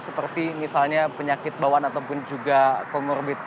seperti misalnya penyakit bauan ataupun juga komorbit